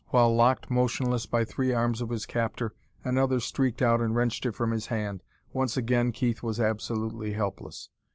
While locked motionless by three arms of his captor, another streaked out and wrenched it from his hand. Once again Keith was absolutely helpless.